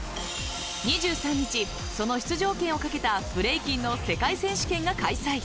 ２３日、その出場権を懸けたブレイキンの世界選手権が開催。